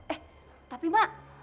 eh tapi mak